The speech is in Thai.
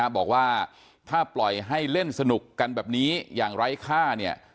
บอกว่าถ้าปล่อยให้เล่นสนุกกันแบบนี้อย่างไร้ค่าเนี่ย